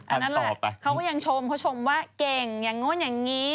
อันนั้นแหละเขาก็ยังชมเขาชมว่าเก่งอย่างนู้นอย่างนี้